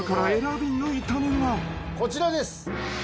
こちらです。